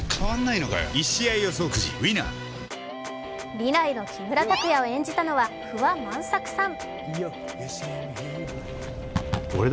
未来の木村拓哉を演じたのは不破万作さん。